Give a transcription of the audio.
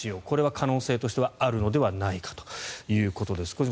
これは可能性としてはあるのではないかということです。